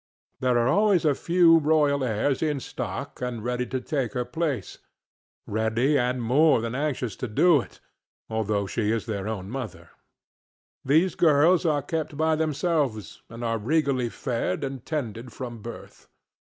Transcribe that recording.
There are always a few royal heirs in stock and ready to take her placeŌĆöready and more than anxious to do it, although she is their own mother. These girls are kept by themselves, and are regally fed and tended from birth.